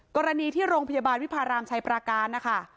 กรณีที่โรงพยาบาลวิพารามชัยปราการนะคะ